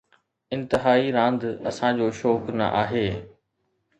انتهائي راند اسان جو شوق نه آهي